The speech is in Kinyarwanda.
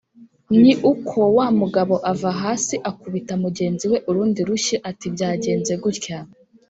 ni uko wa mugabo ava hasi akubita mugenzi we urundi rushyi ati byagenze gutya